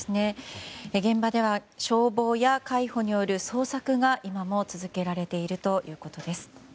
現場では消防や海保による捜索が今も続けられているということです。